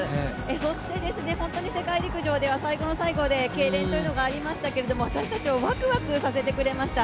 そして、本当に世界陸上では最後の最後でけいれんというのがありましたけれども私たちをワクワクさせてくれました。